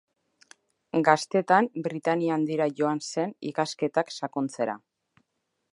Gaztetan Britainia Handira joan zen ikasketak sakontzera.